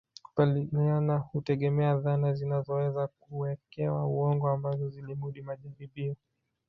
Kukubalika hutegemea dhana zinazoweza kuwekewa uongo ambazo zilimudu majaribio